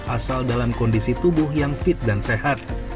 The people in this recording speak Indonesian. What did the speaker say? asal dalam kondisi tubuh yang fit dan sehat